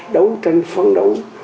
đấu tranh phấn đấu